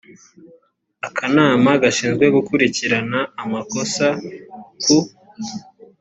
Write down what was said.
akanama gashinzwe gukurikirana amakosa ku